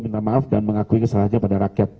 minta maaf dan mengakui kesalahannya pada rakyat